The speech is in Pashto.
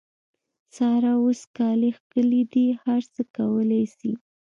سارا اوس کالي کښلي دي؛ هر څه کولای سي.